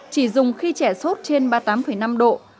chỉ dùng khi trẻ sốt trên ba mươi tám năm độ